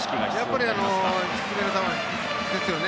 やっぱり低めの球ですよね。